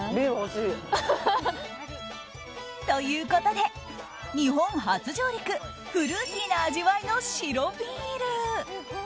ということで、日本初上陸フルーティーな味わいの白ビール。